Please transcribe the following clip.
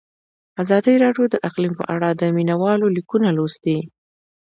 ازادي راډیو د اقلیم په اړه د مینه والو لیکونه لوستي.